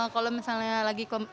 kalau misalnya lagi